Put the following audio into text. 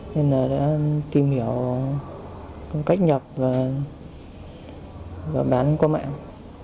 nên là đã tìm hiểu cách nhập và bán qua mạng